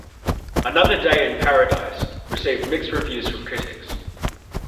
"Another Day in Paradise" received mixed reviews from critics.